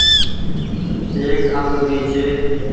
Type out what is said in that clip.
ايڪ انگ ڀي ڇي۔